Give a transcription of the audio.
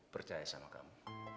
percaya sama kamu